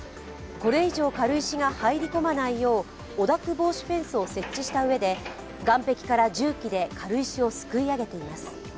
これ以上、軽石が入り込まないよう汚濁防止フェンスを設置したうえで、岸壁から重機で軽石をすくい上げています。